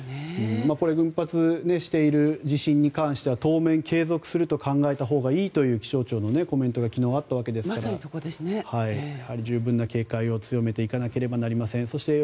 頻発している地震に関しては当面継続すると考えたほうがいいという気象庁のコメントが昨日あったわけですから十分に警戒を強めていかなくてはなりません。